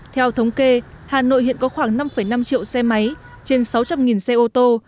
theo thống kê hà nội hiện có khoảng năm năm triệu xe máy trên sáu trăm linh xe ô tô